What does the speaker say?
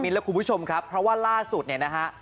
และคุณผู้ชมครับเพราะว่าล่าสุดเนี่ยนะฮะ